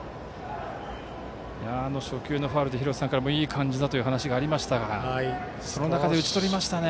初球のファウルで廣瀬さんからもいい感じだという話がありましたがその中で打ち取りましたね。